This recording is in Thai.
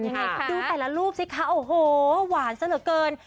ดูแต่ละรูปสิคะโอ้โหหวานซะเหลือเกิน